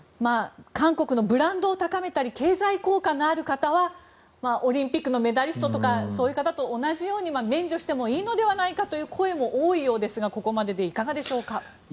韓国のブランドを高めたり経済効果がある方はオリンピックのメダリストとかそういう方と同じように免除してもいいのではないかという声も多いようですがここまででいかがでしょうか。